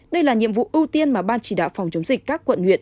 đây là nhiệm vụ ưu tiên mà ban chỉ đạo phòng chống dịch các quận huyện